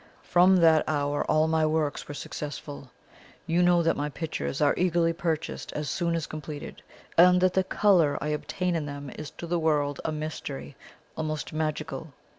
From that hour all my works were successful. You know that my pictures are eagerly purchased as soon as completed, and that the colour I obtain in them is to the world a mystery almost magical.